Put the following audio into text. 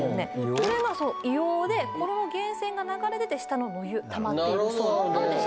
これが硫黄でこれの源泉が流れ出て下の野湯たまっているそうなんです